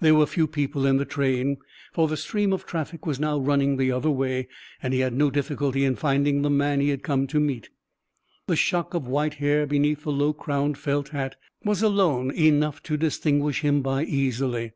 There were few people in the train, for the stream of traffic was now running the other way, and he had no difficulty in finding the man he had come to meet. The shock of white hair beneath the low crowned felt hat was alone enough to distinguish him by easily.